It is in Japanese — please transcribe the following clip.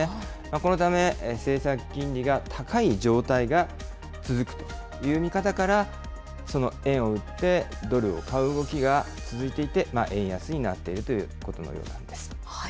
このため、政策金利が高い状態が続くという見方から、その円を売ってドルを買う動きが続いていて、円安になっているということのようなんです。